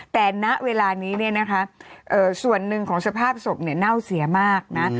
แต่ณเวลานี้ส่วนหนึ่งของสภาพศพเน่าเสียมากนะ